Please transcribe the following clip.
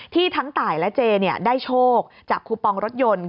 ทั้งตายและเจได้โชคจากคูปองรถยนต์